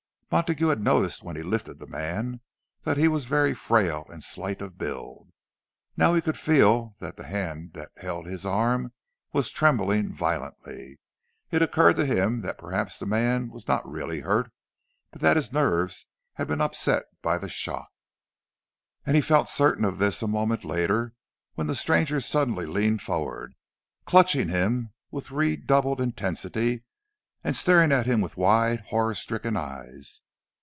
Montague had noticed when he lifted the man that he was very frail and slight of build. Now he could feel that the hand that held his arm was trembling violently. It occurred to him that perhaps the man was not really hurt, but that his nerves had been upset by the shock. And he felt certain of this a moment later, when the stranger suddenly leaned forward, clutching him with redoubled intensity, and staring at him with wide, horror stricken eyes.